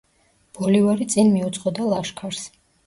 ბოლივარი წინ მიუძღოდა ლაშქარს.